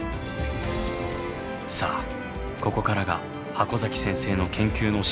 さあここからが箱先生の研究の真骨頂。